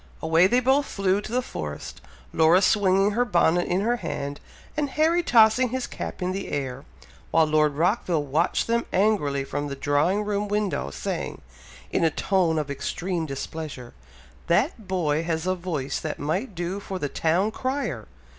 Away they both flew to the forest, Laura swinging her bonnet in her hand, and Harry tossing his cap in the air, while Lord Rockville watched them angrily from the drawing room window, saying, in a tone of extreme displeasure, "That boy has a voice that might do for the town crier!